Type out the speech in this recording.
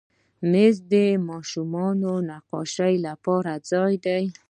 مېز د ماشومانو نقاشۍ لپاره ځای دی.